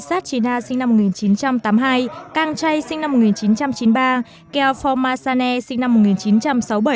vy sát china sinh năm một nghìn chín trăm tám mươi hai kang chay sinh năm một nghìn chín trăm chín mươi ba keo phong masane sinh năm một nghìn chín trăm sáu mươi bảy